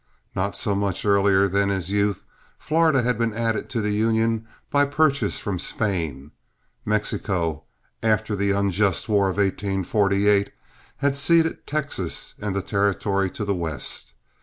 Not so much earlier than his youth Florida had been added to the Union by purchase from Spain; Mexico, after the unjust war of 1848, had ceded Texas and the territory to the West.